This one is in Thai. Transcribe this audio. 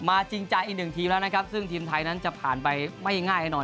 จริงใจอีกหนึ่งทีมแล้วนะครับซึ่งทีมไทยนั้นจะผ่านไปไม่ง่ายแน่นอน